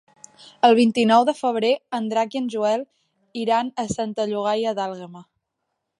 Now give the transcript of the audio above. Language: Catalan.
El vint-i-nou de febrer en Drac i en Joel iran a Santa Llogaia d'Àlguema.